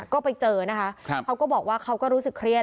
ก็ไปเจอนะคะเขาก็บอกว่าเขาก็รู้สึกเครียด